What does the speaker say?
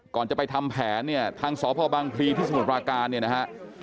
ก่อนจะไปทำแผนเนี่ยทางสพบังพลีที่สมุทรปราการเนี่ยนะฮะ